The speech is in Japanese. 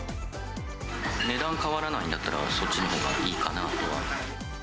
値段変わらないんだったら、そっちのほうがいいかなとは。